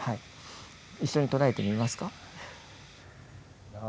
一緒に唱えてみますか？